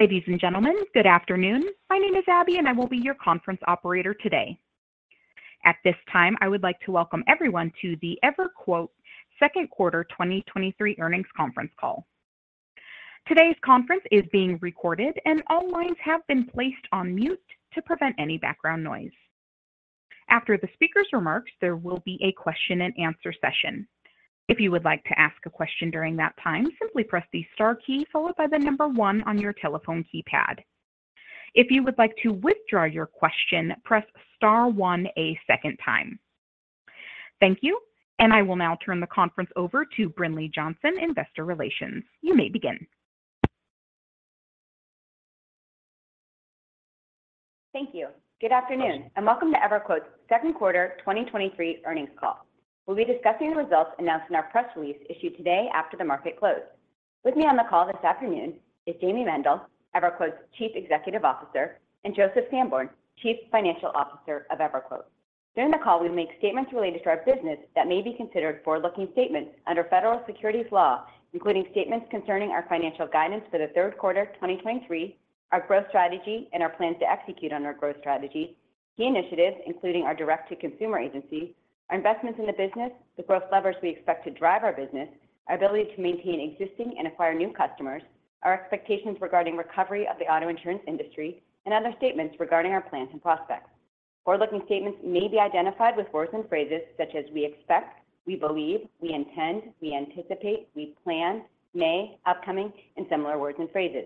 Ladies and gentlemen, good afternoon. My name is Abby, and I will be your conference operator today. At this time, I would like to welcome everyone to the EverQuote Q2 2023 Earnings Conference Call. Today's conference is being recorded, and all lines have been placed on mute to prevent any background noise. After the speaker's remarks, there will be a question and answer session. If you would like to ask a question during that time, simply press the star key followed by the number one on your telephone keypad. If you would like to withdraw your question, press star one a second time. Thank you, and I will now turn the conference over to Brinlea Johnson, Investor Relations. You may begin. Thank you. Good afternoon, welcome to EverQuote's Q2 2023 Earnings Call. We'll be discussing the results announced in our press release issued today after the market closed. With me on the call this afternoon is Jayme Mendal, EverQuote's Chief Executive Officer, and Joseph Sanborn, Chief Financial Officer of EverQuote. During the call, we'll make statements related to our business that may be considered forward-looking statements under federal securities law, including statements concerning our financial guidance for the Q3 2023, our growth strategy and our plans to execute on our growth strategy, key initiatives, including our Direct-to-Consumer Agency, our investments in the business, the growth levers we expect to drive our business, our ability to maintain existing and acquire new customers, our expectations regarding recovery of the auto insurance industry, and other statements regarding our plans and prospects. Forward-looking statements may be identified with words and phrases such as we expect, we believe, we intend, we anticipate, we plan, may, upcoming, and similar words and phrases.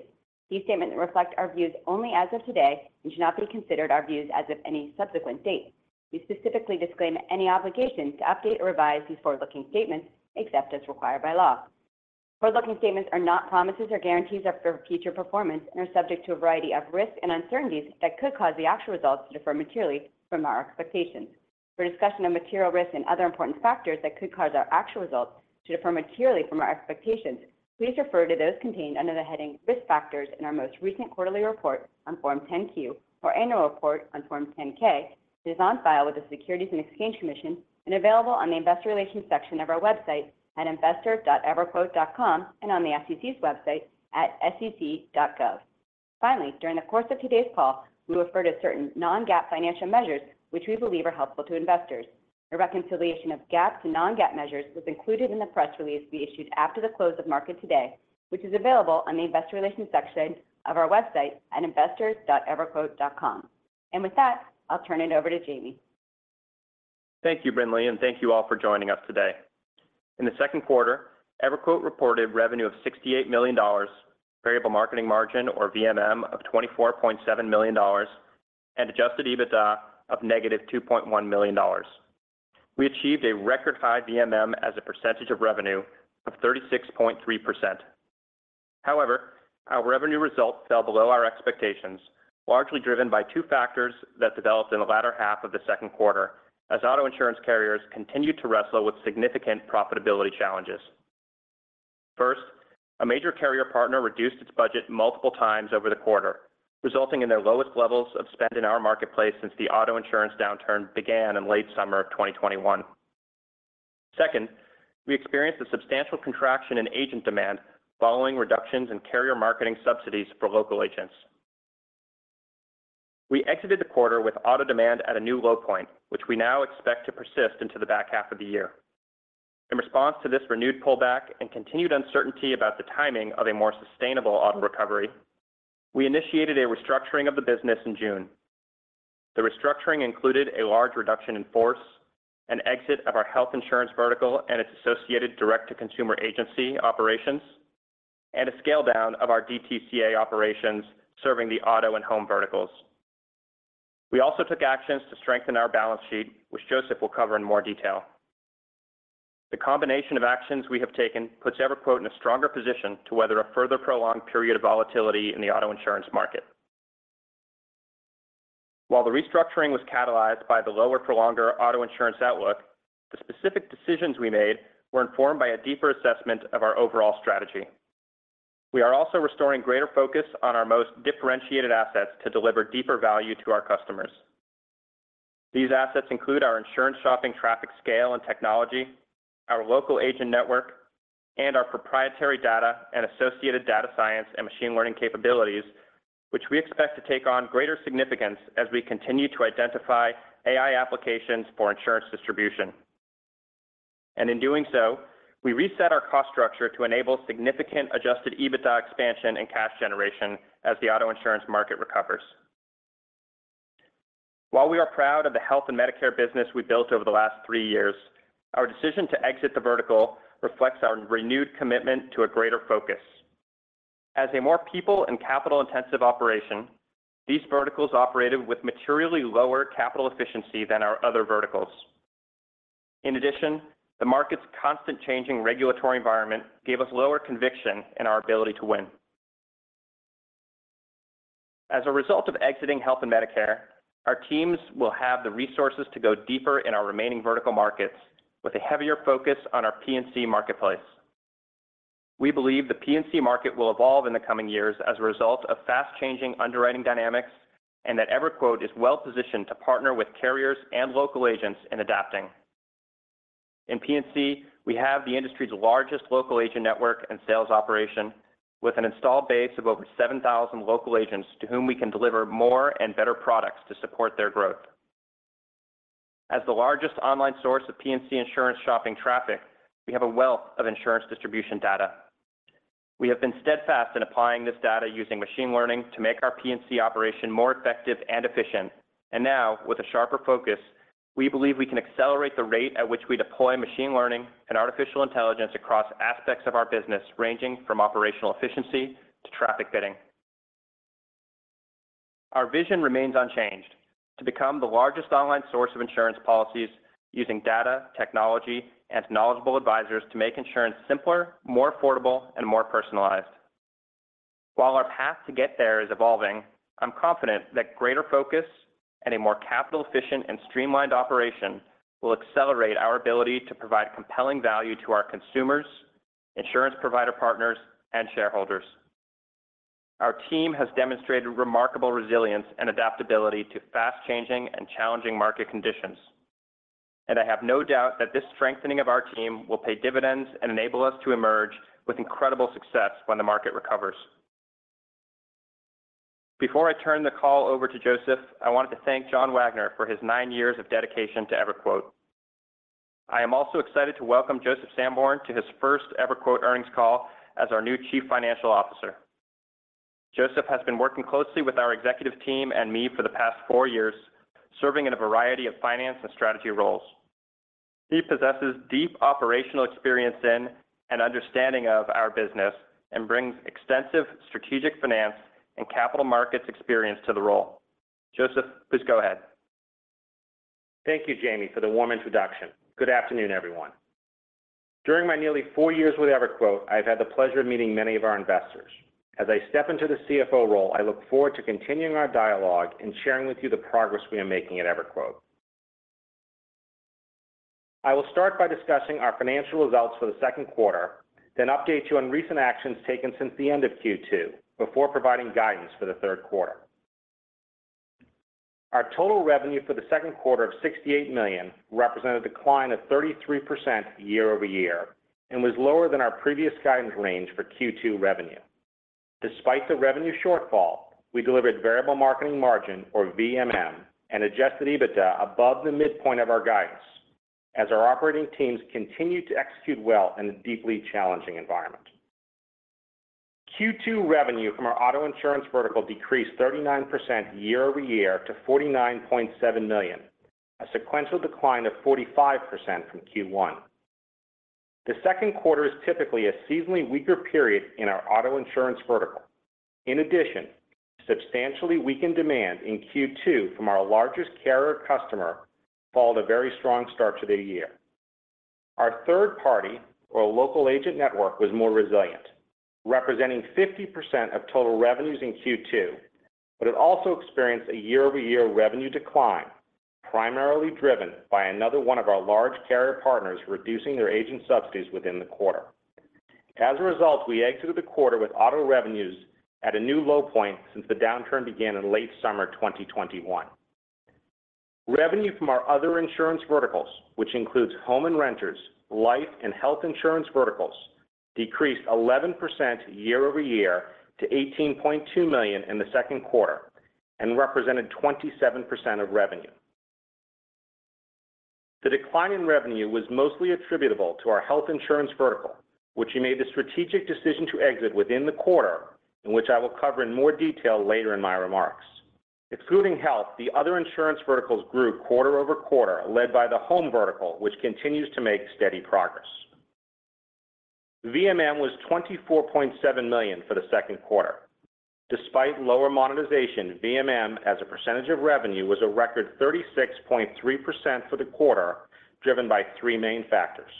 These statements reflect our views only as of today and should not be considered our views as of any subsequent date. We specifically disclaim any obligation to update or revise these forward-looking statements except as required by law. Forward-looking statements are not promises or guarantees of for future performance and are subject to a variety of risks and uncertainties that could cause the actual results to differ materially from our expectations. For a discussion of material risks and other important factors that could cause our actual results to differ materially from our expectations, please refer to those contained under the heading Risk Factors in our most recent quarterly report on Form 10-Q, or annual report on Form 10-K, it is on file with the Securities and Exchange Commission and available on the Investor Relations section of our website at investors.everquote.com, and on the SEC's website at sec.gov. Finally, during the course of today's call, we refer to certain non-GAAP financial measures, which we believe are helpful to investors. A reconciliation of GAAP to non-GAAP measures was included in the press release we issued after the close of market today, which is available on the Investor Relations section of our website at investors.everquote.com. With that, I'll turn it over to Jayme. Thank you, Brinlea, and thank you all for joining us today. In the Q2, EverQuote reported revenue of $68 million, Variable Marketing Margin or VMM of $24.7 million, and Adjusted EBITDA of negative $2.1 million. We achieved a record high VMM as a percentage of revenue of 36.3%. Our revenue results fell below our expectations, largely driven by two factors that developed in the latter half of the Q2 as auto insurance carriers continued to wrestle with significant profitability challenges. First, a major carrier partner reduced its budget multiple times over the quarter, resulting in their lowest levels of spend in our marketplace since the auto insurance downturn began in late summer of 2021. Second, we experienced a substantial contraction in agent demand following reductions in carrier marketing subsidies for local agents. We exited the quarter with auto demand at a new low point, which we now expect to persist into the back half of the year. In response to this renewed pullback and continued uncertainty about the timing of a more sustainable auto recovery, we initiated a restructuring of the business in June. The restructuring included a large reduction in force, an exit of our health insurance vertical and its associated Direct-to-Consumer Agency operations, and a scale-down of our DTCA operations serving the auto and home verticals. We also took actions to strengthen our balance sheet, which Joseph will cover in more detail. The combination of actions we have taken puts EverQuote in a stronger position to weather a further prolonged period of volatility in the auto insurance market. While the restructuring was catalyzed by the lower for longer auto insurance outlook, the specific decisions we made were informed by a deeper assessment of our overall strategy. We are also restoring greater focus on our most differentiated assets to deliver deeper value to our customers. These assets include our insurance shopping traffic scale and technology, our local agent network, and our proprietary data and associated data science and machine learning capabilities, which we expect to take on greater significance as we continue to identify AI applications for insurance distribution. In doing so, we reset our cost structure to enable significant Adjusted EBITDA expansion and cash generation as the auto insurance market recovers. While we are proud of the health and Medicare business we built over the last three years, our decision to exit the vertical reflects our renewed commitment to a greater focus. As a more people and capital-intensive operation, these verticals operated with materially lower capital efficiency than our other verticals. In addition, the market's constant changing regulatory environment gave us lower conviction in our ability to win. As a result of exiting health and Medicare, our teams will have the resources to go deeper in our remaining vertical markets with a heavier focus on our P&C marketplace. We believe the P&C market will evolve in the coming years as a result of fast-changing underwriting dynamics, and that EverQuote is well-positioned to partner with carriers and local agents in adapting.... In P&C, we have the industry's largest local agent network and sales operation, with an installed base of over 7,000 local agents to whom we can deliver more and better products to support their growth. As the largest online source of P&C insurance shopping traffic, we have a wealth of insurance distribution data. We have been steadfast in applying this data using machine learning to make our P&C operation more effective and efficient. Now, with a sharper focus, we believe we can accelerate the rate at which we deploy machine learning and artificial intelligence across aspects of our business, ranging from operational efficiency to traffic bidding. Our vision remains unchanged: to become the largest online source of insurance policies using data, technology, and knowledgeable advisors to make insurance simpler, more affordable, and more personalized. While our path to get there is evolving, I'm confident that greater focus and a more capital-efficient and streamlined operation will accelerate our ability to provide compelling value to our consumers, insurance provider partners, and shareholders. Our team has demonstrated remarkable resilience and adaptability to fast-changing and challenging market conditions. I have no doubt that this strengthening of our team will pay dividends and enable us to emerge with incredible success when the market recovers. Before I turn the call over to Joseph, I wanted to thank John Wagner for his 9 years of dedication to EverQuote. I am also excited to welcome Joseph Sanborn to his first EverQuote earnings call as our new Chief Financial Officer. Joseph has been working closely with our executive team and me for the past 4 years, serving in a variety of finance and strategy roles. He possesses deep operational experience in and understanding of our business and brings extensive strategic finance and capital markets experience to the role. Joseph, please go ahead. Thank you, Jayme, for the warm introduction. Good afternoon, everyone. During my nearly four years with EverQuote, I've had the pleasure of meeting many of our investors. As I step into the CFO role, I look forward to continuing our dialogue and sharing with you the progress we are making at EverQuote. I will start by discussing our financial results for the Q2, then update you on recent actions taken since the end of Q2, before providing guidance for the Q3. Our total revenue for the Q2 of $68 million represented a decline of 33% year-over-year and was lower than our previous guidance range for Q2 revenue. Despite the revenue shortfall, we delivered Variable Marketing Margin, or VMM, and Adjusted EBITDA above the midpoint of our guidance, as our operating teams continued to execute well in a deeply challenging environment. Q2 revenue from our auto insurance vertical decreased 39% year-over-year to $49.7 million, a sequential decline of 45% from Q1. The Q2 is typically a seasonally weaker period in our auto insurance vertical. In addition, substantially weakened demand in Q2 from our largest carrier customer followed a very strong start to the year. Our third-party or local agent network was more resilient, representing 50% of total revenues in Q2, but it also experienced a year-over-year revenue decline, primarily driven by another one of our large carrier partners reducing their agent subsidies within the quarter. As a result, we exited the quarter with auto revenues at a new low point since the downturn began in late summer 2021. Revenue from our other insurance verticals, which includes home and renters, life and health insurance verticals, decreased 11% year-over-year to $18.2 million in the Q2 and represented 27% of revenue. The decline in revenue was mostly attributable to our health insurance vertical, which we made the strategic decision to exit within the quarter, and which I will cover in more detail later in my remarks. Excluding health, the other insurance verticals grew quarter-over-quarter, led by the home vertical, which continues to make steady progress. VMM was $24.7 million for the Q2. Despite lower monetization, VMM, as a percentage of revenue, was a record 36.3% for the quarter, driven by three main factors.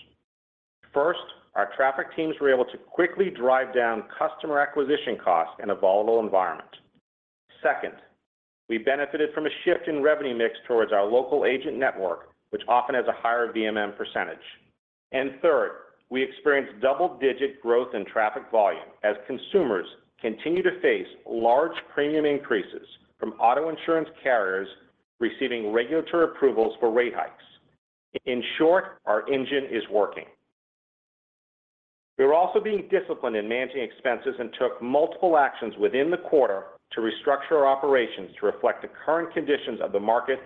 First, our traffic teams were able to quickly drive down customer acquisition costs in a volatile environment. Second, we benefited from a shift in revenue mix towards our local agent network, which often has a higher VMM %. Third, we experienced double-digit growth in traffic volume as consumers continue to face large premium increases from auto insurance carriers receiving regulatory approvals for rate hikes. In short, our engine is working. We are also being disciplined in managing expenses and took multiple actions within the quarter to restructure our operations to reflect the current conditions of the market,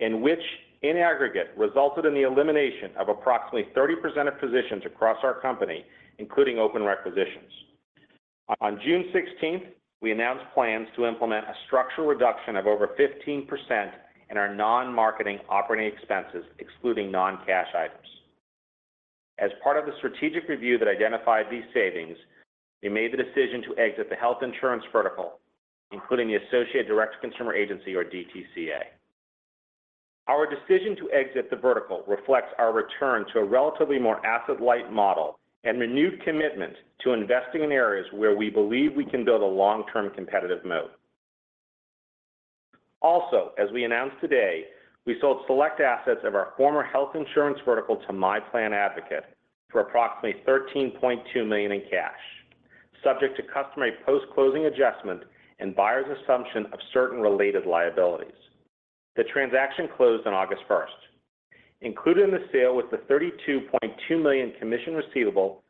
in which, in aggregate, resulted in the elimination of approximately 30% of positions across our company, including open requisitions. On June 16th, we announced plans to implement a structural reduction of over 15% in our non-marketing operating expenses, excluding non-cash items. As part of the strategic review that identified these savings, we made the decision to exit the health insurance vertical, including the associated Direct-to-Consumer Agency or DTCA. Our decision to exit the vertical reflects our return to a relatively more asset-light model and renewed commitment to investing in areas where we believe we can build a long-term competitive moat. Also, as we announced today, we sold select assets of our former health insurance vertical to MyPlanAdvocate for approximately $13.2 million in cash. subject to customary post-closing adjustment and buyer's assumption of certain related liabilities. The transaction closed on August 1st. Included in the sale was the $32.2 million commission receivable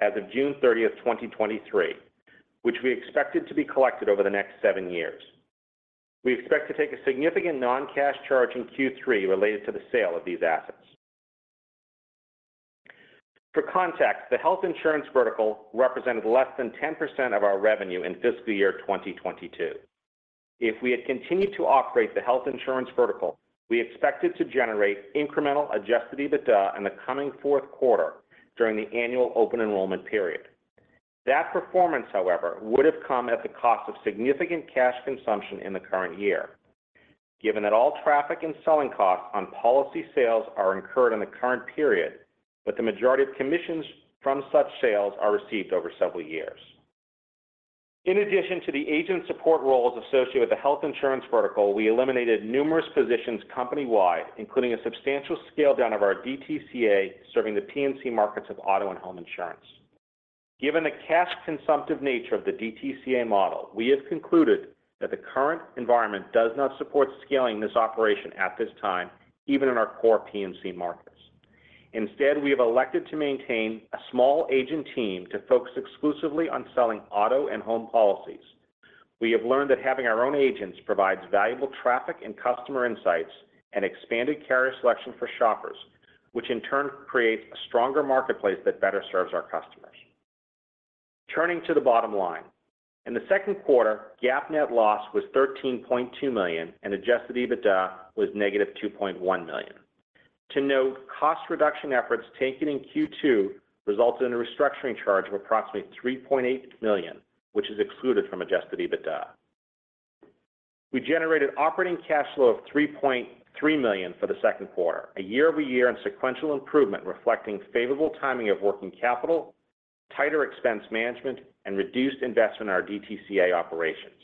as of June 30th, 2023, which we expected to be collected over the next seven years. We expect to take a significant non-cash charge in Q3 related to the sale of these assets. For context, the health insurance vertical represented less than 10% of our revenue in fiscal year 2022. If we had continued to operate the health insurance vertical, we expected to generate incremental Adjusted EBITDA in the coming Q4 during the annual open enrollment period. That performance, however, would have come at the cost of significant cash consumption in the current year, given that all traffic and selling costs on policy sales are incurred in the current period, but the majority of commissions from such sales are received over several years. In addition to the agent support roles associated with the health insurance vertical, we eliminated numerous positions company-wide, including a substantial scale-down of our DTCA, serving the P&C markets of auto and home insurance. Given the cash-consumptive nature of the DTCA model, we have concluded that the current environment does not support scaling this operation at this time, even in our core P&C markets. Instead, we have elected to maintain a small agent team to focus exclusively on selling auto and home policies. We have learned that having our own agents provides valuable traffic and customer insights and expanded carrier selection for shoppers, which in turn creates a stronger marketplace that better serves our customers. Turning to the bottom line. In the Q2, GAAP net loss was $13.2 million, and Adjusted EBITDA was negative $2.1 million. To note, cost reduction efforts taken in Q2 resulted in a restructuring charge of approximately $3.8 million, which is excluded from Adjusted EBITDA. We generated operating cash flow of $3.3 million for the Q2, a year-over-year and sequential improvement, reflecting favorable timing of working capital, tighter expense management, and reduced investment in our DTCA operations.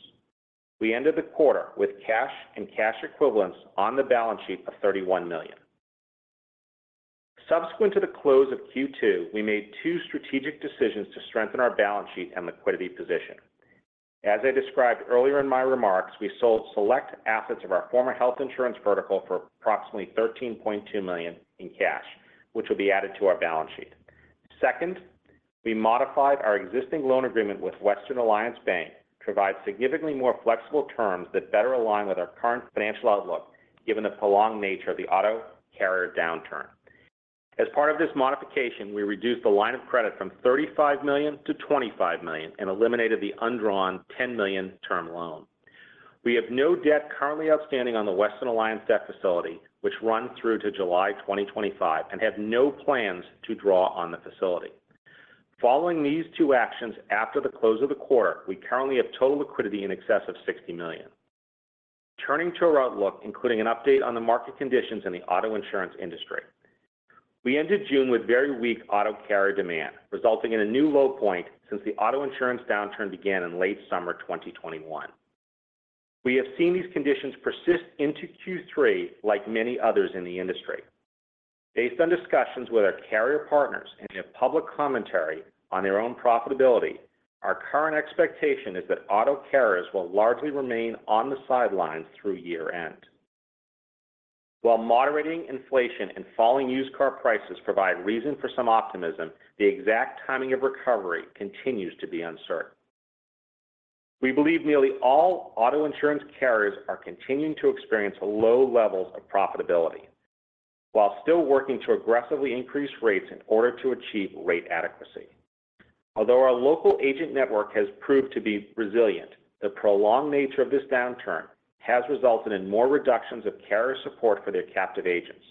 We ended the quarter with cash and cash equivalents on the balance sheet of $31 million. Subsequent to the close of Q2, we made two strategic decisions to strengthen our balance sheet and liquidity position. As I described earlier in my remarks, we sold select assets of our former health insurance vertical for approximately $13.2 million in cash, which will be added to our balance sheet. Second, we modified our existing loan agreement with Western Alliance Bank to provide significantly more flexible terms that better align with our current financial outlook, given the prolonged nature of the auto carrier downturn. As part of this modification, we reduced the line of credit from $35 million to $25 million and eliminated the undrawn $10 million term loan. We have no debt currently outstanding on the Western Alliance debt facility, which runs through to July 2025, and have no plans to draw on the facility. Following these two actions after the close of the quarter, we currently have total liquidity in excess of $60 million. Turning to our outlook, including an update on the market conditions in the auto insurance industry. We ended June with very weak auto carrier demand, resulting in a new low point since the auto insurance downturn began in late summer 2021. We have seen these conditions persist into Q3, like many others in the industry. Based on discussions with our carrier partners and their public commentary on their own profitability, our current expectation is that auto carriers will largely remain on the sidelines through year-end. While moderating inflation and falling used car prices provide reason for some optimism, the exact timing of recovery continues to be uncertain. We believe nearly all auto insurance carriers are continuing to experience low levels of profitability while still working to aggressively increase rates in order to achieve rate adequacy. Although our local agent network has proved to be resilient, the prolonged nature of this downturn has resulted in more reductions of carrier support for their captive agents,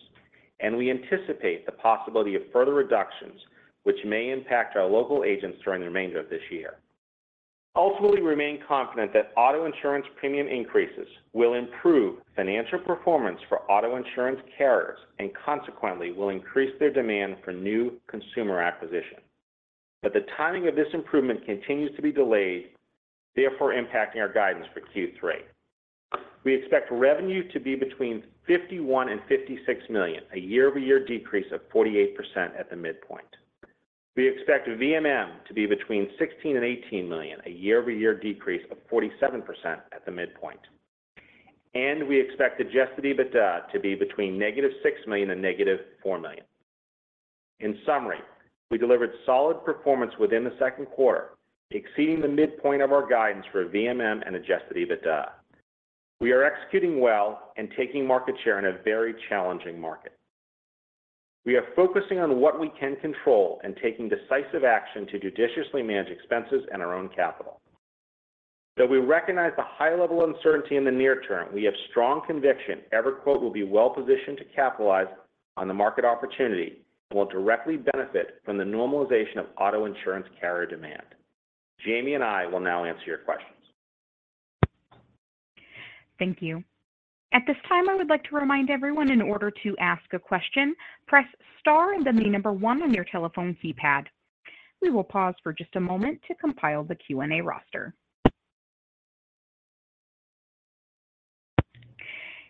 and we anticipate the possibility of further reductions, which may impact our local agents during the remainder of this year. Ultimately, we remain confident that auto insurance premium increases will improve financial performance for auto insurance carriers and consequently will increase their demand for new consumer acquisition. The timing of this improvement continues to be delayed, therefore impacting our guidance for Q3. We expect revenue to be between $51 million and $56 million, a year-over-year decrease of 48% at the midpoint. We expect VMM to be between $16 million and $18 million, a year-over-year decrease of 47% at the midpoint. We expect Adjusted EBITDA to be between -$6 million and -$4 million. In summary, we delivered solid performance within the Q2, exceeding the midpoint of our guidance for VMM and Adjusted EBITDA. We are executing well and taking market share in a very challenging market. We are focusing on what we can control and taking decisive action to judiciously manage expenses and our own capital. Though we recognize the high level of uncertainty in the near term, we have strong conviction EverQuote will be well positioned to capitalize on the market opportunity and will directly benefit from the normalization of auto insurance carrier demand. Jayme and I will now answer your questions. Thank you. At this time, I would like to remind everyone in order to ask a question, press Star and then the number one on your telephone keypad. We will pause for just a moment to compile the Q&A roster...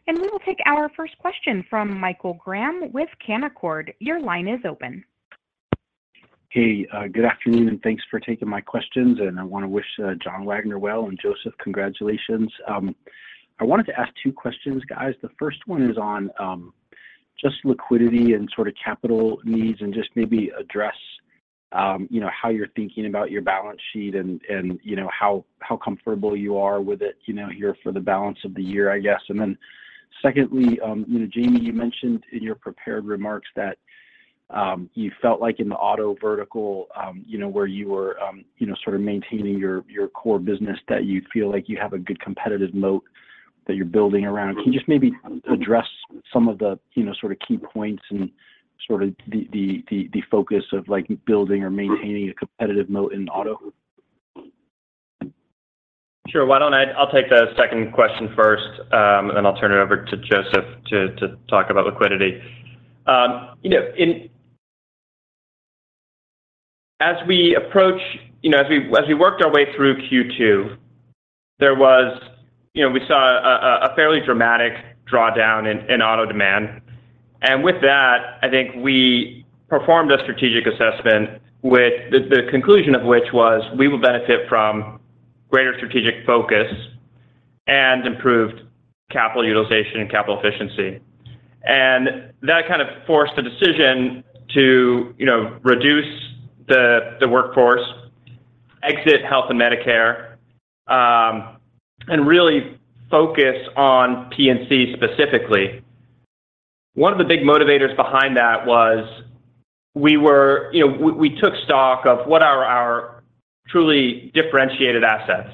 We will take our first question from Michael Graham with Canaccord. Your line is open. Hey, good afternoon, and thanks for taking my questions. I wanna wish John Wagner well, and Joseph, congratulations. I wanted to ask 2 questions, guys. The first one is on just liquidity and sort of capital needs, and just maybe address, you know, how you're thinking about your balance sheet and, and, you know, how, how comfortable you are with it, you know, here for the balance of the year, I guess. Secondly, you know, Jayme, you mentioned in your prepared remarks that you felt like in the auto vertical, you know, where you were, you know, sort of maintaining your, your core business, that you feel like you have a good competitive moat that you're building around. Can you just maybe address some of the, you know, sort of key points and sort of the, the, the, the focus of like building or maintaining a competitive moat in auto? Sure. Why don't I-- I'll take the second question first, and then I'll turn it over to Joseph to, to talk about liquidity. You know, as we approach, you know, as we, as we worked our way through Q2, there was, you know, we saw a, a, a fairly dramatic drawdown in, in auto demand. With that, I think we performed a strategic assessment with the, the conclusion of which was, we will benefit from greater strategic focus and improved capital utilization and capital efficiency. That kind of forced the decision to, you know, reduce the, the workforce, exit health and Medicare, and really focus on P&C specifically. One of the big motivators behind that was we were, you know, we, we took stock of what are our truly differentiated assets,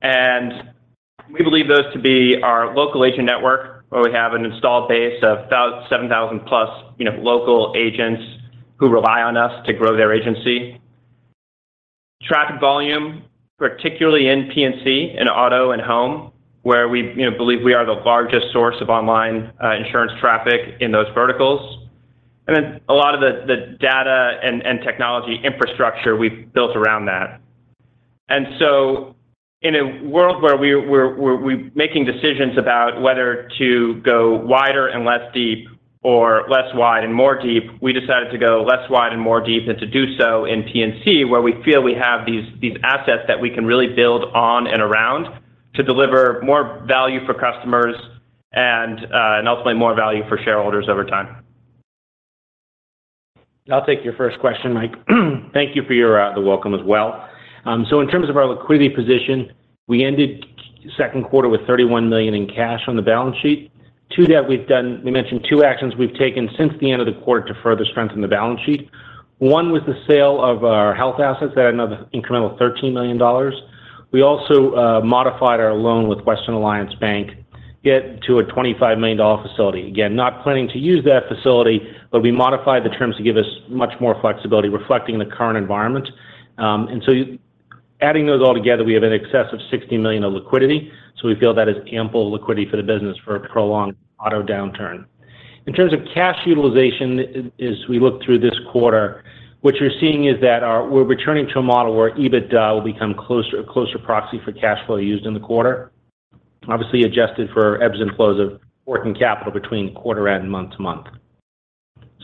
and we believe those to be our local agent network, where we have an installed base of about 7,000+, you know, local agents who rely on us to grow their agency. Traffic volume, particularly in P&C, in auto and home, where we, you know, believe we are the largest source of online, insurance traffic in those verticals. A lot of the, the data and, and technology infrastructure we've built around that. In a world where we're making decisions about whether to go wider and less deep or less wide and more deep, we decided to go less wide and more deep, and to do so in P&C, where we feel we have these, these assets that we can really build on and around to deliver more value for customers and ultimately more value for shareholders over time. I'll take your first question, Mike. Thank you for your, the welcome as well. In terms of our liquidity position, we ended Q2 with $31 million in cash on the balance sheet. To that, we mentioned two actions we've taken since the end of the quarter to further strengthen the balance sheet. One was the sale of our health assets, that another incremental $13 million. We also modified our loan with Western Alliance Bank, get to a $25 million facility. Again, not planning to use that facility, but we modified the terms to give us much more flexibility, reflecting the current environment. Adding those all together, we have in excess of $60 million of liquidity, we feel that is ample liquidity for the business for a prolonged auto downturn. In terms of cash utilization, as we look through this quarter, what you're seeing is that we're returning to a model where EBITDA will become closer, a closer proxy for cash flow used in the quarter, obviously adjusted for ebbs and flows of working capital between quarter and month to month.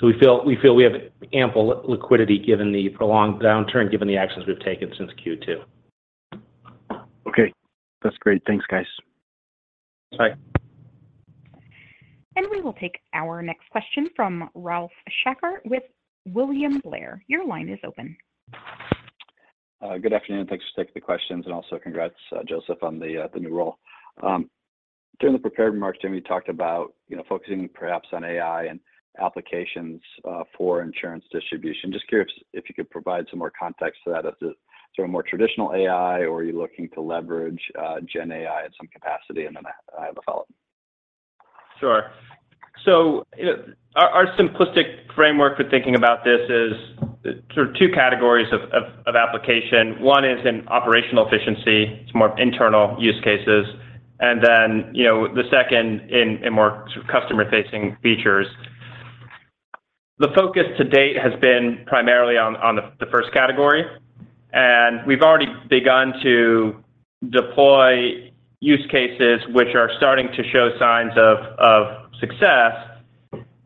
We feel, we feel we have ample liquidity given the prolonged downturn, given the actions we've taken since Q2. Okay, that's great. Thanks, guys. Bye. We will take our next question from Ralph Schackart with William Blair. Your line is open. Good afternoon, thanks for taking the questions, and also congrats, Joseph, on the new role. During the prepared remarks, Jayme, you talked about, you know, focusing perhaps on AI and applications for insurance distribution. Just curious if you could provide some more context to that? Is it sort of more traditional AI, or are you looking to leverage GenAI in some capacity? Then I have a follow-up. Sure. Our simplistic framework for thinking about this is sort of two categories of application. One is in operational efficiency, it's more internal use cases, and then, you know, the second in more customer-facing features. The focus to date has been primarily on the first category, and we've already begun to deploy use cases which are starting to show signs of success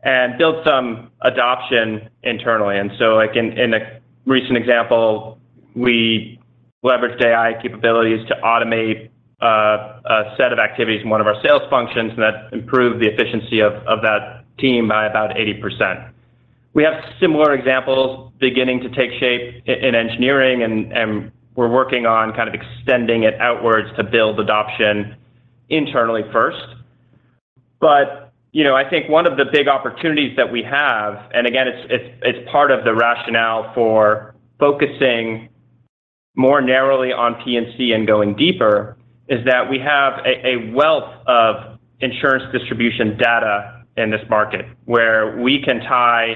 and build some adoption internally. Like in a recent example, we leveraged AI capabilities to automate a set of activities in one of our sales functions, and that improved the efficiency of that team by about 80%. We have similar examples beginning to take shape in engineering, and we're working on kind of extending it outwards to build adoption internally first. you know, I think one of the big opportunities that we have, and again, it's, it's, it's part of the rationale for focusing more narrowly on P&C and going deeper, is that we have a, a wealth of insurance distribution data in this market, where we can tie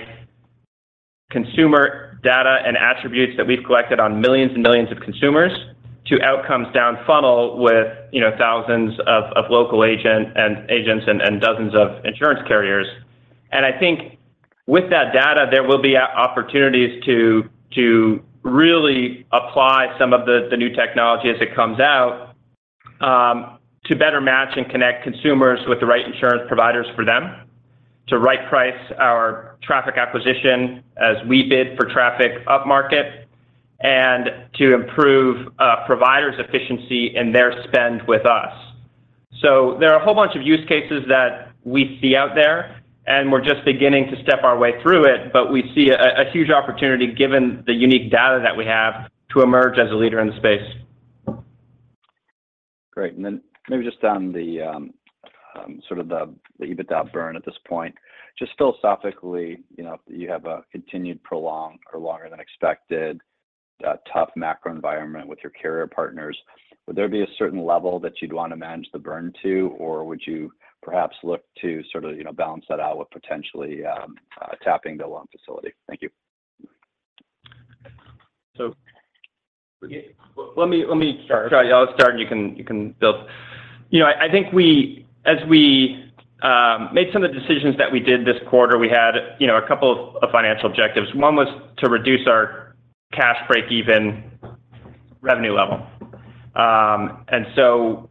consumer data and attributes that we've collected on millions and millions of consumers to outcomes down funnel with, you know, thousands of, of local agent, and agents and, and dozens of insurance carriers. I think with that data, there will be opportunities to, to really apply some of the, the new technology as it comes out, to better match and connect consumers with the right insurance providers for them, to right-price our traffic acquisition as we bid for traffic upmarket, and to improve providers' efficiency in their spend with us. There are a whole bunch of use cases that we see out there, and we're just beginning to step our way through it, but we see a huge opportunity, given the unique data that we have to emerge as a leader in the space. Great. Maybe just on the sort of the EBITDA burn at this point, just philosophically, you know, you have a continued prolonged or longer than expected, tough macro environment with your carrier partners. Would there be a certain level that you'd want to manage the burn to, or would you perhaps look to sort of, you know, balance that out with potentially tapping the loan facility? Thank you. Let me, let me start. I'll start, you can, you can build. You know, I think we- as we made some of the decisions that we did this quarter, we had, you know, a couple of, of financial objectives. One was to reduce our cash breakeven revenue level.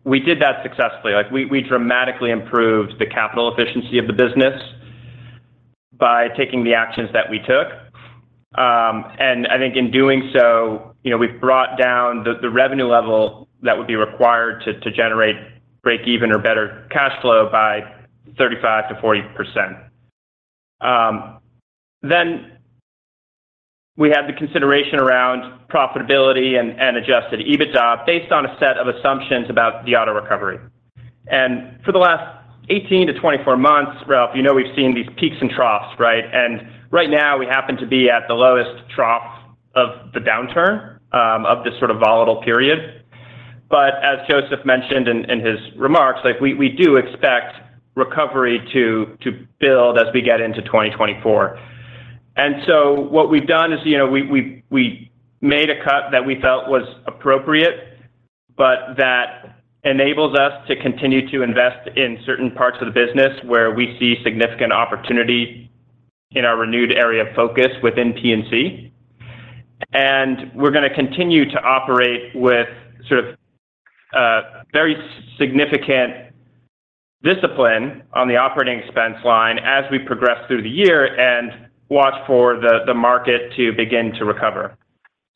We did that successfully. Like, we, we dramatically improved the capital efficiency of the business by taking the actions that we took. I think in doing so, you know, we've brought down the, the revenue level that would be required to, to generate breakeven or better cash flow by 35%-40%. We had the consideration around profitability and, and Adjusted EBITDA based on a set of assumptions about the auto recovery. For the last 18-24 months, Ralph, you know, we've seen these peaks and troughs, right? Right now, we happen to be at the lowest trough of the downturn of this sort of volatile period. As Joseph mentioned in his remarks, like, we do expect recovery to build as we get into 2024. What we've done is, you know, we made a cut that we felt was appropriate, but that enables us to continue to invest in certain parts of the business where we see significant opportunity in our renewed area of focus within P&C. We're gonna continue to operate with sort of very significant discipline on the operating expense line as we progress through the year and watch for the market to begin to recover.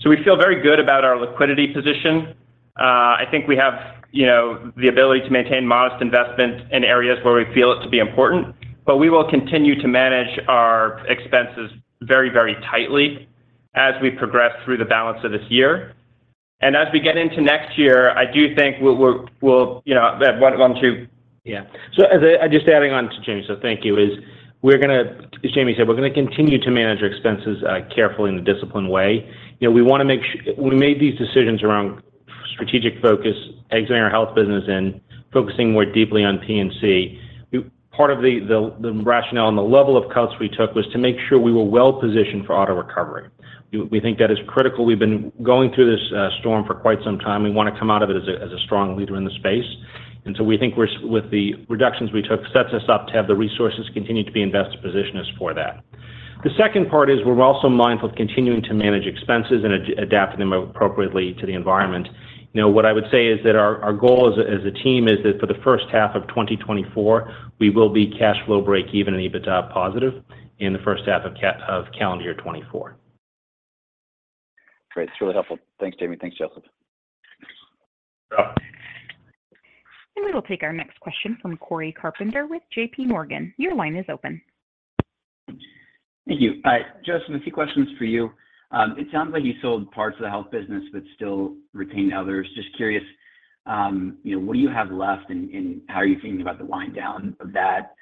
We feel very good about our liquidity position. I think we have, you know, the ability to maintain modest investment in areas where we feel it to be important, but we will continue to manage our expenses very, very tightly as we progress through the balance of this year. As we get into next year, I do think we'll, you know. Yeah. Just adding on to Jayme, so thank you, is we're gonna, as Jayme said, we're gonna continue to manage our expenses carefully in a disciplined way. You know, we wanna make we made these decisions around strategic focus, exiting our health business, and focusing more deeply on P&C. Part of the, the, the rationale and the level of cuts we took was to make sure we were well-positioned for auto recovery. We, we think that is critical. We've been going through this storm for quite some time. We want to come out of it as a, as a strong leader in the space. we think we're, with the reductions we took, sets us up to have the resources continue to be in best position as for that. The second part is we're also mindful of continuing to manage expenses and adapting them appropriately to the environment. You know, what I would say is that our goal as a team is that for the first half of 2024, we will be cash flow breakeven and EBITDA positive in the first half of calendar year 2024. Great. It's really helpful. Thanks, Jayme. Thanks, Joseph. Yeah. We will take our next question from Cory Carpenter with J.P. Morgan. Your line is open. Thank you. Joseph, a few questions for you. It sounds like you sold parts of the health business but still retained others. Just curious, you know, what do you have left, and how are you thinking about the wind down of that?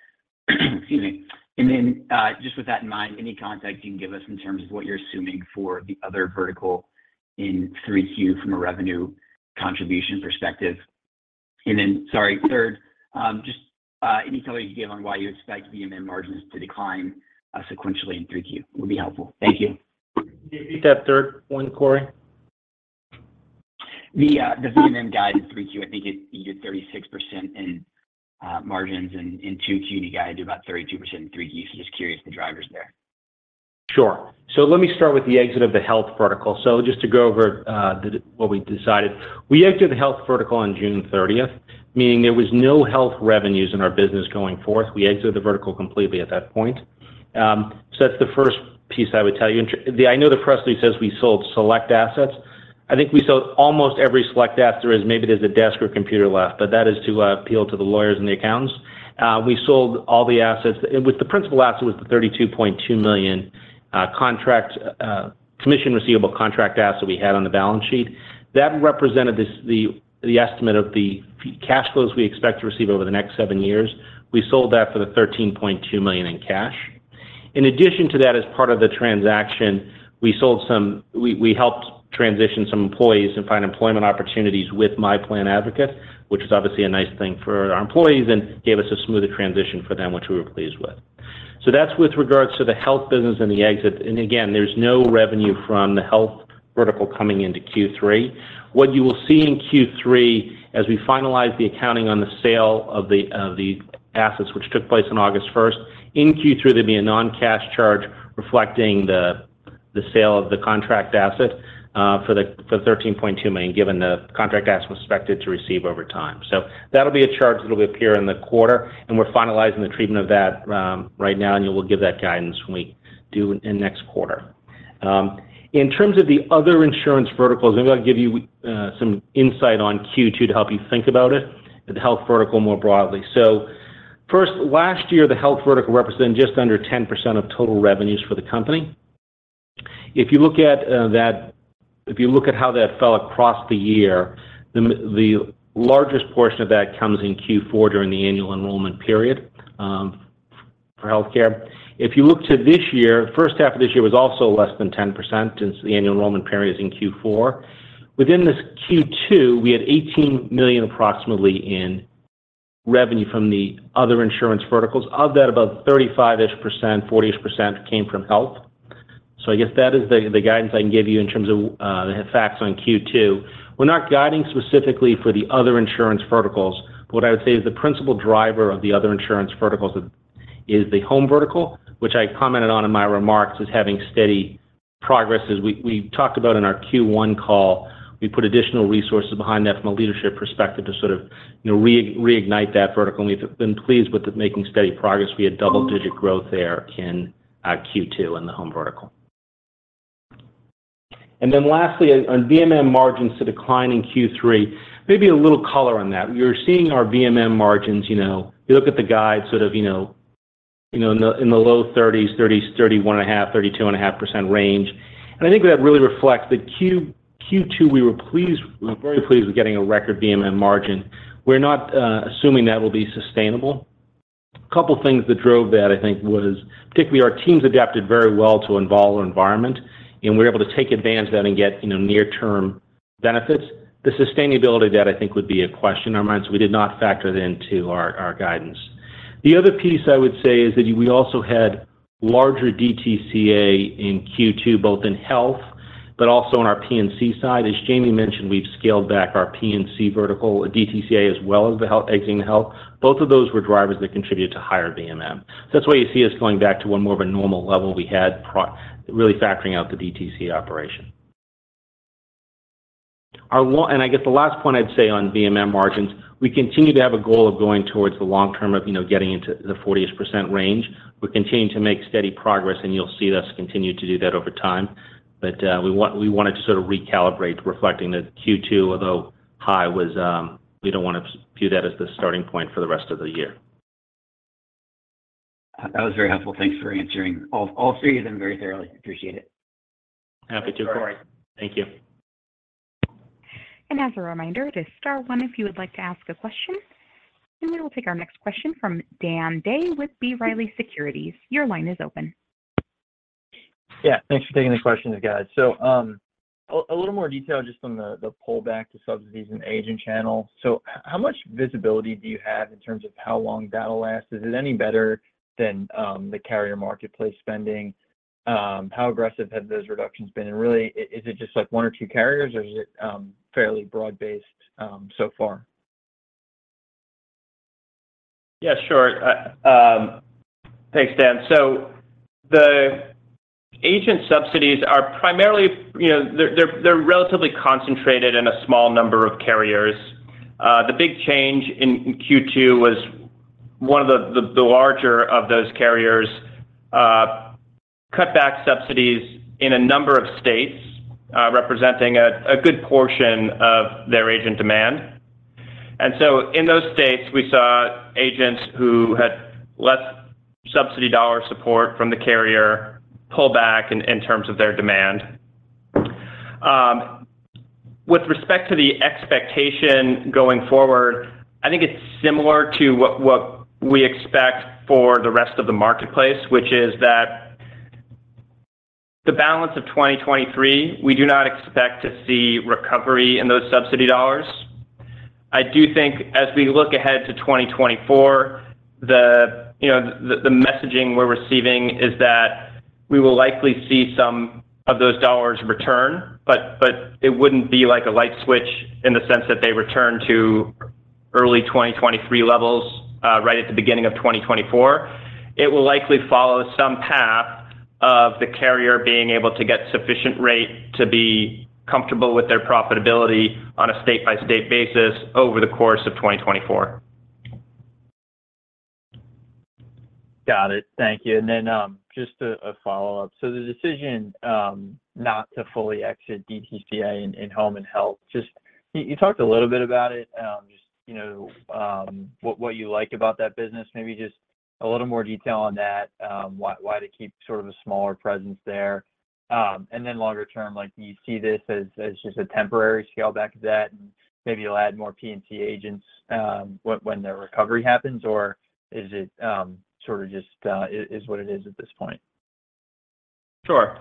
Excuse me. Then, just with that in mind, any context you can give us in terms of what you're assuming for the other vertical in 3Q from a revenue contribution perspective? Then, sorry, third, just any color you can give on why you expect VMM margins to decline sequentially in 3Q would be helpful. Thank you. Can you repeat that third one, Corey? The, the VMM guide in 3Q, I think it, you did 36% in, margins, and in 2Q, you guided about 32% in 3Q. Just curious the drivers there. Sure. Let me start with the exit of the health vertical. Just to go over what we decided. We exited the health vertical on June 30th, meaning there was no health revenues in our business going forth. We exited the vertical completely at that point. That's the first piece I would tell you. I know the press release says we sold select assets. I think we sold almost every select asset, maybe there's a desk or computer left, but that is to appeal to the lawyers and the accountants. We sold all the assets. With the principal asset was the $32.2 million contract, commission receivable contract asset we had on the balance sheet. That represented this, the, the estimate of the cash flows we expect to receive over the next 7 years. We sold that for $13.2 million in cash. In addition to that, as part of the transaction, we helped transition some employees and find employment opportunities with MyPlanAdvocate, which is obviously a nice thing for our employees and gave us a smoother transition for them, which we were pleased with. That's with regards to the health business and the exit. Again, there's no revenue from the health. vertical coming into Q3. What you will see in Q3, as we finalize the accounting on the sale of the, of the assets, which took place on August first, in Q3, there'll be a non-cash charge reflecting the, the sale of the contract asset, for the, the $13.2 million, given the contract asset was expected to receive over time. That'll be a charge that will appear in the quarter, and we're finalizing the treatment of that, right now, and we'll give that guidance when we do in next quarter. In terms of the other insurance verticals, maybe I'll give you, some insight on Q2 to help you think about it, but the health vertical more broadly. First, last year, the health vertical represented just under 10% of total revenues for the company. If you look at how that fell across the year, the largest portion of that comes in Q4 during the annual enrollment period for healthcare. If you look to this year, first half of this year was also less than 10%, since the annual enrollment period is in Q4. Within this Q2, we had $18 million approximately in revenue from the other insurance verticals. Of that, about 35-ish%, 40-ish% came from health. I guess that is the guidance I can give you in terms of the facts on Q2. We're not guiding specifically for the other insurance verticals, but what I would say is the principal driver of the other insurance verticals is the home vertical, which I commented on in my remarks, is having steady progress. As we, we talked about in our Q1 call, we put additional resources behind that from a leadership perspective to sort of, you know, re-reignite that vertical. We've been pleased with it making steady progress. We had double-digit growth there in Q2 in the home vertical. Lastly, on VMM margins to decline in Q3, maybe a little color on that. We're seeing our VMM margins, you know, if you look at the guide, sort of, you know, in the low thirties, thirties, 31.5%-32.5% range. I think that really reflects that Q-Q2, we were pleased-- we were very pleased with getting a record VMM margin. We're not assuming that will be sustainable. A 2 of things that drove that, I think, was particularly our teams adapted very well to involve our environment, and we're able to take advantage of that and get, you know, near-term benefits. The sustainability of that, I think, would be a question in our minds. We did not factor that into our, our guidance. The other piece I would say is that we also had larger DTCA in Q2, both in health, but also on our P&C side. As Jayme mentioned, we've scaled back our P&C vertical, DTCA, as well as the health, exiting the health. Both of those were drivers that contributed to higher VMM. That's why you see us going back to 1 more of a normal level we had really factoring out the DTCA operation. Our 1... I guess the last point I'd say on VMM margins, we continue to have a goal of going towards the long term of, you know, getting into the 40-ish % range. We're continuing to make steady progress, and you'll see us continue to do that over time. We want, we wanted to sort of recalibrate, reflecting that Q2, although high, was, we don't want to view that as the starting point for the rest of the year. That was very helpful. Thanks for answering all, all three of them very thoroughly. Appreciate it. Happy to. Sorry. Thank you. As a reminder, just star one if you would like to ask a question. We will take our next question from Dan Day with B. Riley Securities. Your line is open. Yeah, thanks for taking the questions, guys. A little more detail just on the pullback to subsidies and agent channel. How much visibility do you have in terms of how long that'll last? Is it any better than the carrier marketplace spending? How aggressive have those reductions been? Really, is it just like one or two carriers or is it fairly broad-based so far? Yeah, sure. I, thanks, Dan. The agent subsidies are primarily, you know, they're, they're, they're relatively concentrated in a small number of carriers. The big change in Q2 was one of the larger of those carriers cut back subsidies in a number of states representing a good portion of their agent demand. In those states, we saw agents who had less subsidy dollar support from the carrier pull back in terms of their demand. With respect to the expectation going forward, I think it's similar to what we expect for the rest of the marketplace, which is that the balance of 2023, we do not expect to see recovery in those subsidy dollars. I do think as we look ahead to 2024, the, you know, the messaging we're receiving is that we will likely see some of those dollars return, but, but it wouldn't be like a light switch in the sense that they return to early 2023 levels, right at the beginning of 2024. It will likely follow some path of the carrier being able to get sufficient rate to be comfortable with their profitability on a state-by-state basis over the course of 2024. Got it. Thank you. Then, just a follow-up. The decision, not to fully exit DTCA in, in home and health, just, you, you talked a little bit about it, just, you know, what, what you like about that business, maybe just a little more detail on that. Why, why to keep sort of a smaller presence there? Then longer term, like, do you see this as, as just a temporary scale back that maybe you'll add more P&C agents, when, when their recovery happens, or is it, sort of just, is what it is at this point? Sure.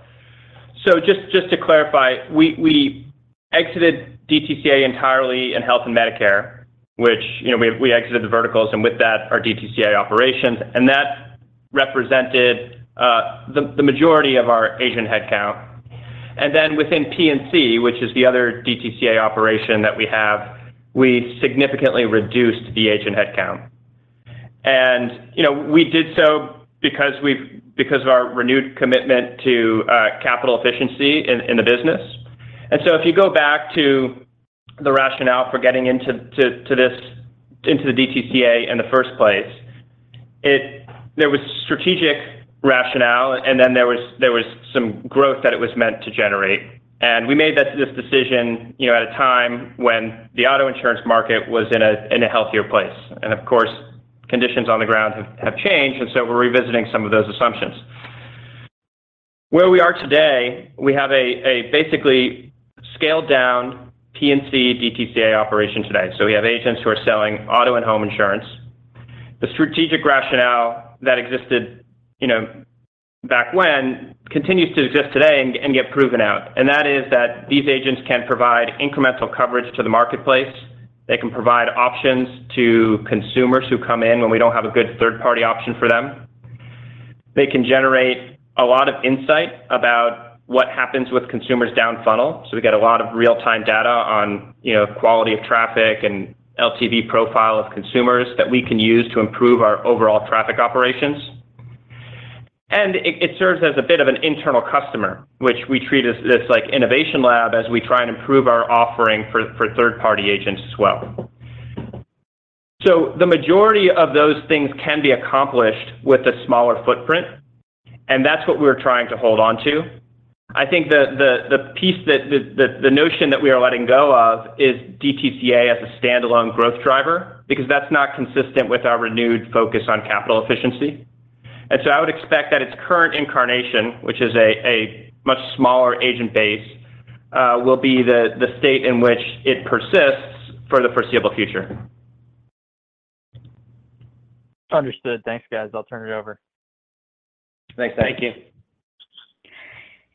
Just, just to clarify, we, we exited DTCA entirely in health and Medicare, which, you know, we, we exited the verticals, and with that, our DTCA operations. That-... represented the majority of our agent headcount. Then within P&C, which is the other DTCA operation that we have, we significantly reduced the agent headcount. You know, we did so because of our renewed commitment to capital efficiency in the business. If you go back to the rationale for getting into the DTCA in the first place, there was strategic rationale, and then there was some growth that it was meant to generate. We made this decision, you know, at a time when the auto insurance market was in a healthier place. Of course, conditions on the ground have changed, and so we're revisiting some of those assumptions. Where we are today, we have a basically scaled-down P&C DTCA operation today. We have agents who are selling auto and home insurance. The strategic rationale that existed, you know, back when, continues to exist today and, and get proven out, and that is that these agents can provide incremental coverage to the marketplace. They can provide options to consumers who come in when we don't have a good third-party option for them. They can generate a lot of insight about what happens with consumers down funnel, so we get a lot of real-time data on, you know, quality of traffic and LTV profile of consumers that we can use to improve our overall traffic operations. It, it serves as a bit of an internal customer, which we treat as this, like, innovation lab as we try and improve our offering for, for third-party agents as well. The majority of those things can be accomplished with a smaller footprint, and that's what we're trying to hold on to. I think the piece that, the notion that we are letting go of is DTCA as a standalone growth driver, because that's not consistent with our renewed focus on capital efficiency. So I would expect that its current incarnation, which is a much smaller agent base, will be the state in which it persists for the foreseeable future. Understood. Thanks, guys. I'll turn it over. Thanks. Thank you.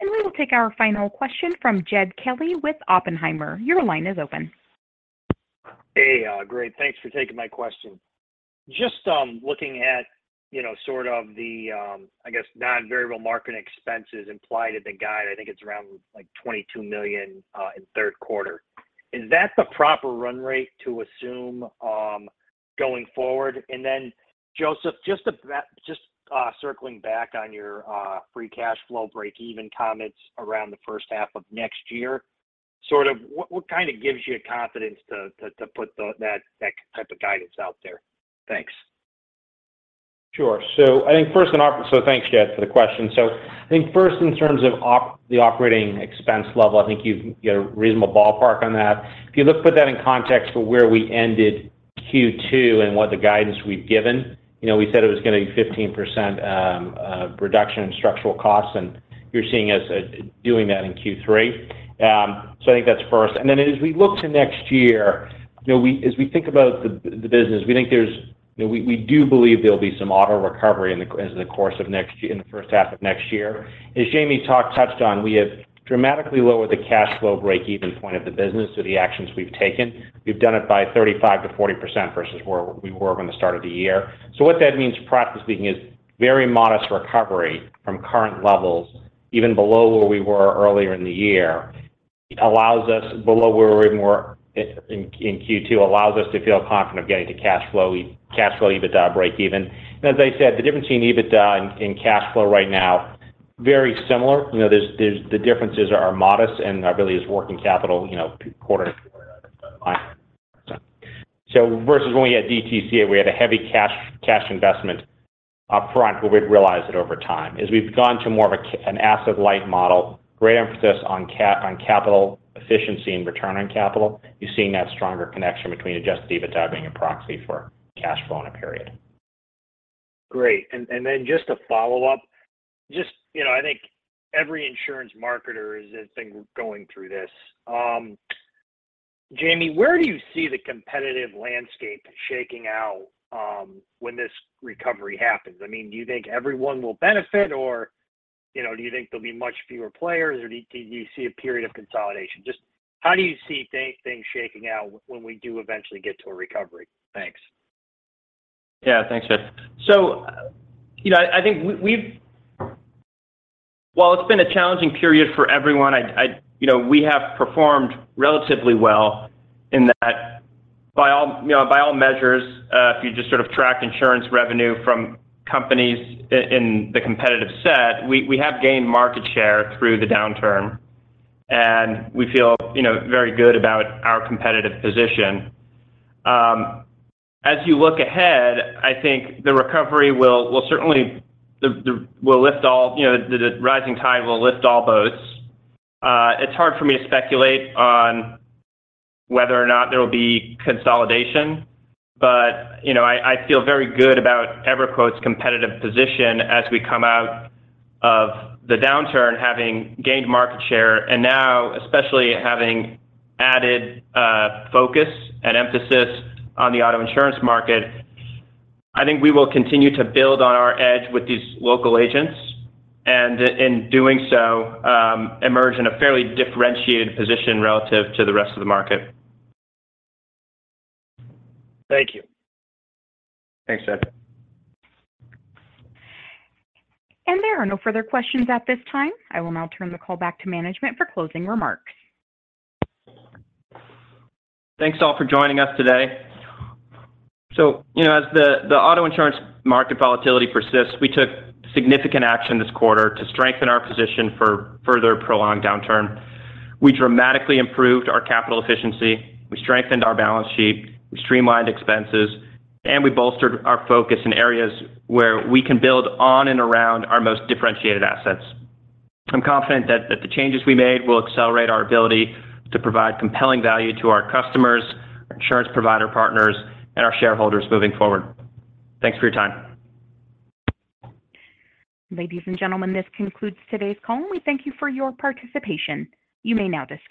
We will take our final question from Jed Kelly with Oppenheimer. Your line is open. Hey, great. Thanks for taking my question. Just, looking at, you know, sort of the, I guess, non-variable marketing expenses implied in the guide, I think it's around, like, $22 million in Q3. Is that the proper run rate to assume, going forward? Then, Joseph, just about, just, circling back on your, free cash flow breakeven comments around the first half of next year, sort of what, what kind of gives you confidence to put that type of guidance out there? Thanks. Sure. Thanks, Jed, for the question. I think first in terms of the operating expense level, I think you've got a reasonable ballpark on that. If you put that in context for where we ended Q2 and what the guidance we've given, you know, we said it was gonna be 15% reduction in structural costs, and you're seeing us doing that in Q3. I think that's first. Then as we look to next year, you know, as we think about the business, we think there's, you know, we, we do believe there will be some auto recovery in the course of next year, in the first half of next year. As Jayme touched on, we have dramatically lowered the cash flow breakeven point of the business through the actions we've taken. We've done it by 35%-40% versus where we were when we started the year. What that means, practically speaking, is very modest recovery from current levels, even below where we were earlier in the year, allows us below where we were in Q2, allows us to feel confident of getting to cash flow, cash flow EBITDA breakeven. As I said, the difference between EBITDA and cash flow right now, very similar. You know, there's, the differences are modest and really is working capital, you know, quarter to quarter. Versus when we had DTCA, we had a heavy cash investment upfront, where we'd realize it over time. As we've gone to more of an asset-light model, great emphasis on capital efficiency and return on capital. You're seeing that stronger connection between Adjusted EBITDA being a proxy for cash flow in a period. Great. Then just to follow up, just, you know, I think every insurance marketer is, has been going through this. Jayme, where do you see the competitive landscape shaking out when this recovery happens? I mean, do you think everyone will benefit or, you know, do you think there'll be much fewer players, or do you see a period of consolidation? Just how do you see things shaking out when we do eventually get to a recovery? Thanks. Yeah. Thanks, Jed. You know, I think we've While it's been a challenging period for everyone, I'd You know, we have performed relatively well in that by all, you know, by all measures, if you just sort of track insurance revenue from companies in the competitive set, we have gained market share through the downturn, and we feel, you know, very good about our competitive position. As you look ahead, I think the recovery will certainly, the will lift all, you know, the rising tide will lift all boats. It's hard for me to speculate on whether or not there will be consolidation, but, you know, I, I feel very good about EverQuote's competitive position as we come out of the downturn, having gained market share, and now especially having added focus and emphasis on the auto insurance market. I think we will continue to build on our edge with these local agents, in doing so, emerge in a fairly differentiated position relative to the rest of the market. Thank you. Thanks, Jed. There are no further questions at this time. I will now turn the call back to management for closing remarks. Thanks, all, for joining us today. You know, as the auto insurance market volatility persists, we took significant action this quarter to strengthen our position for further prolonged downturn. We dramatically improved our capital efficiency, we strengthened our balance sheet, we streamlined expenses, and we bolstered our focus in areas where we can build on and around our most differentiated assets. I'm confident that the changes we made will accelerate our ability to provide compelling value to our customers, our insurance provider partners, and our shareholders moving forward. Thanks for your time. Ladies and gentlemen, this concludes today's call. We thank you for your participation. You may now disconnect.